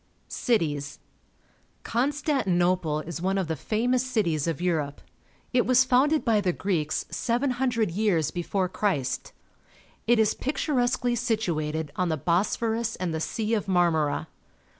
Cities. — Constantinople is one of the famous cities of Europe. It was founded by the Greeks 700 years before Christ. It is picturesquely situated on the Bosphorus and the Sea of Marmora.